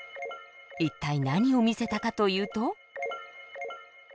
一体何を見せたかというと。